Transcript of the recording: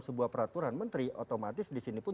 sebuah peraturan menteri otomatis disini pun